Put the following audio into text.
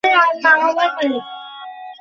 রোহান, ওর কথা কিছু মনে করো না, টিনা এমনি।